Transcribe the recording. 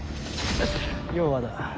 要はだ